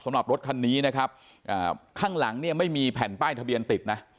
รถคันนี้นะครับข้างหลังเนี่ยไม่มีแผ่นป้ายทะเบียนติดนะ